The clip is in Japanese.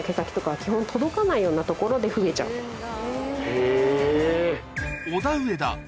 へぇ。